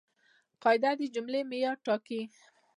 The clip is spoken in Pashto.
قاعده د جملې معیار ټاکي.